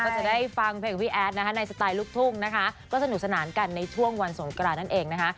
ก็จะได้ฟังเพลงของพี่แอดนะคะในสไตล์ลูกทุ่งนะคะก็สนุกสนานกันในช่วงวันสงกรานนั่นเองนะคะ